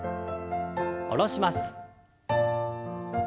下ろします。